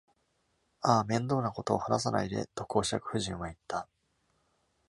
「ああ、面倒なことを話さないで！」と公爵夫人は言った。